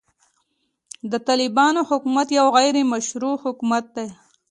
د طالبانو حکومت يو غيري مشروع حکومت دی.